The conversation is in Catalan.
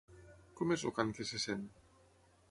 Com és el cant que se sent?